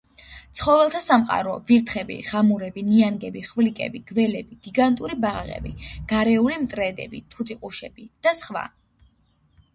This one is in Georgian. ცხოველთა სამყარო: ვირთხები, ღამურები, ნიანგები, ხვლიკები, გველები, გიგანტური ბაყაყები, გარეული მტრედები, თუთიყუშები და სხვა.